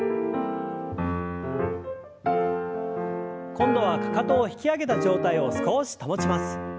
今度はかかとを引き上げた状態を少し保ちます。